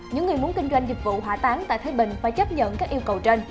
những người muốn kinh doanh dịch vụ hỏa táng tại thái bình phải chấp nhận các yêu cầu trên